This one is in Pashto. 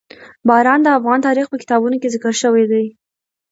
باران د افغان تاریخ په کتابونو کې ذکر شوي دي.